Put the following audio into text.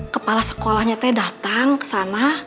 kepala sekolahnya teh datang kesana